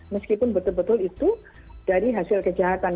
meskipun betul betul itu dari hasil kejahatan